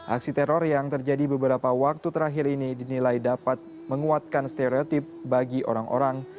aksi teror yang terjadi beberapa waktu terakhir ini dinilai dapat menguatkan stereotip bagi orang orang